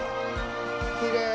きれい。